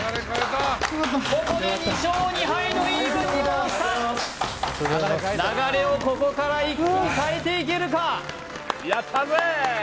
ここで２勝２敗のイーブンに戻った流れをここから一気に変えていけるか？